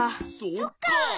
そっか。